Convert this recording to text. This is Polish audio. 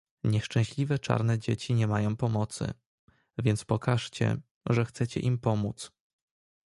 "Nieszczęśliwe czarne dzieci nie mają pomocy, więc pokażcie, że chcecie im pomóc."